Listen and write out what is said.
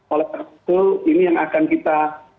oleh karena itu ini yang akan kita